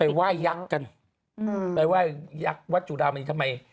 ไปว่ายักษ์กันไปว่ายักษ์วัดจุรามณีทำไม